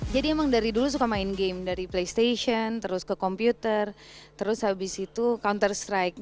jadi memang dari dulu suka main game dari playstation terus ke komputer terus habis itu counter strike